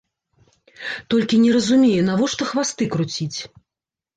Толькі не разумею, навошта хвасты круціць?